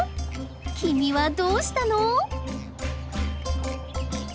君はどうしたの？